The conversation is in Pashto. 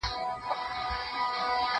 څه مطلب لري سړی نه په پوهېږي